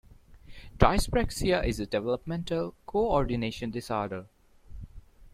Dyspraxia is a developmental co-ordination disorder.